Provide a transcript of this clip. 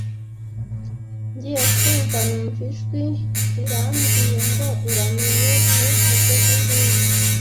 Ngiye kumva numva ijwi rirambwiye ngo uramenye ntuvuze induru